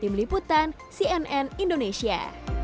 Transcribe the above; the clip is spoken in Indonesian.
tim liputan cnn indonesia